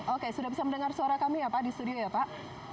oke sudah bisa mendengar suara kami ya pak di studio ya pak